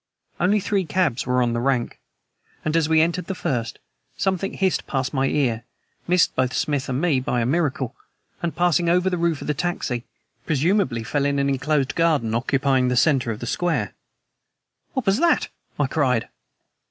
Only three cabs were on the rank, and, as we entered the first, something hissed past my ear, missed both Smith and me by a miracle, and, passing over the roof of the taxi, presumably fell in the enclosed garden occupying the center of the square. "What was that?" I cried.